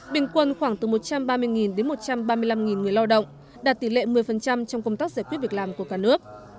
bình quân khoảng từ một trăm ba mươi đến một trăm ba mươi năm người lao động đạt tỷ lệ một mươi trong công tác giải quyết việc làm của cả nước